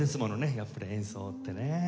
やっぱり演奏ってね。